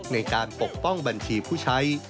ปกป้องบัญชีผู้ใช้